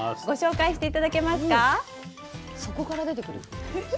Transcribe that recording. ご紹介していただけますか？